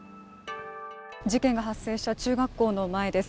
事件が発生した中学校の前です。